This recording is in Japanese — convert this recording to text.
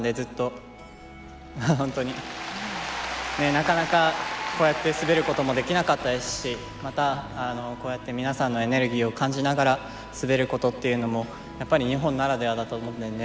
なかなかこうやって滑ることもできなかったですしまたこうやって皆さんのエネルギーを感じながら滑ることっていうのもやっぱり日本ならではだと思うのでね